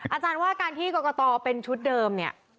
อาจารย์ว่าการที่กรกตเป็นชุดเดิมเนี่ย